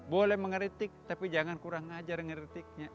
boleh mengeritik tapi jangan kurang ajar ngeritiknya